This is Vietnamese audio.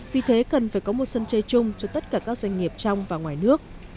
vì thế cần phải có một sân chơi chung cho tất cả các doanh nghiệp trong và ngoài nước